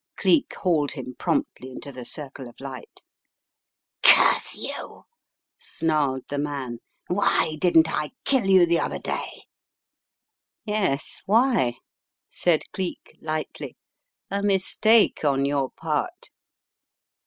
Cleek hauled him promptly into the circle of light. "Curse you!" snarled the man. "Why didn't I kill you the other day?" "Yes, why?" said Cleek, lightly, "a mistake on jyour part."